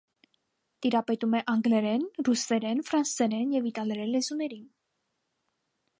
Տիրապետում է անգլերեն, ռուսերեն, ֆրանսերեն և իտալերեն լեզուներին։